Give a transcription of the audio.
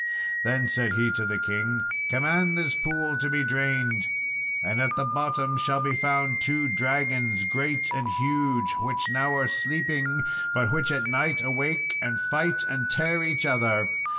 Then said he to the king, "Command this pool to be drained, and at the bottom shall be found two dragons, great and huge, which now are sleeping, but which at night awake and fight and tear each other.